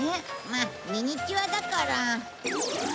まあミニチュアだから。